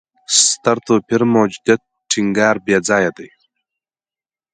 ستر توپیر موجودیت ټینګار بېځایه دی.